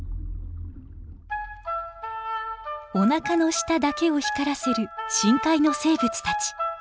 おなかの下だけを光らせる深海の生物たち。